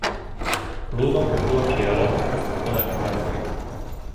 Luno kaj blua ĉielo estas bonaj ekzemploj.